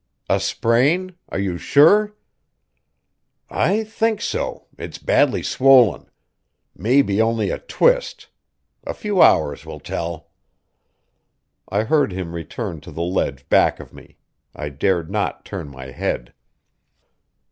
"A sprain? Are you sure?" "I think so; it's badly swollen. Maybe only a twist; a few hours will tell." I heard him return to the ledge back of me; I dared not turn my head.